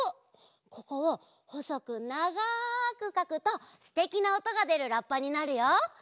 ここをほそくながくかくとすてきなおとがでるラッパになるよ！